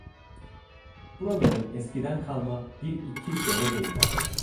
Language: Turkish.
Buraların eskiden kalma bir iki derebeyi vardı.